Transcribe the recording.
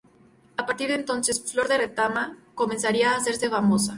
A partir de entonces, "Flor de Retama" comenzaría a hacerse famosa.